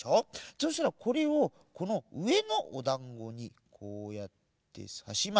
そうしたらこれをこのうえのおだんごにこうやってさします。